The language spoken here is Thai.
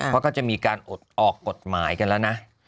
เขาก็จะมีการอดออกกฎหมายกันแล้วนะ